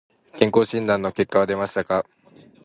健康診断の結果は出ましたか。